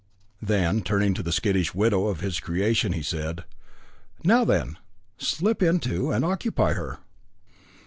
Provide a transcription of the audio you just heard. Then, turning to the skittish widow of his creation, he said, "Now, then, slip into and occupy her."